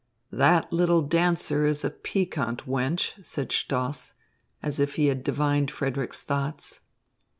"That little dancer is a piquant wench," said Stoss, as if he had divined Frederick's thoughts.